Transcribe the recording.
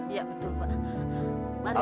iya betul pak